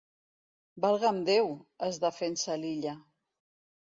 Valga'm Déu —es defensa l'Illa—.